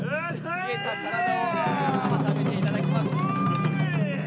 冷えた体を温めていただきます。